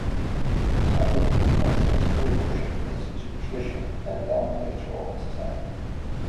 Some Burmese might say spirit worship is superstition and downplay its role in society.